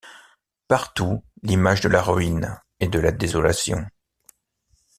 Partout, l'image de la ruine et de la désolation.